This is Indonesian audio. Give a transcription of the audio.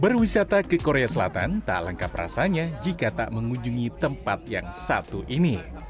berwisata ke korea selatan tak lengkap rasanya jika tak mengunjungi tempat yang satu ini